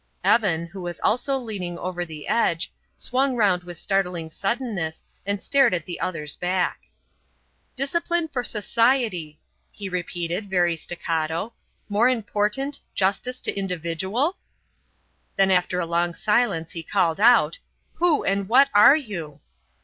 Evan, who was also leaning over the edge, swung round with startling suddenness and stared at the other's back. "Discipline for society " he repeated, very staccato, "more important justice to individual?" Then after a long silence he called out: "Who and what are you?"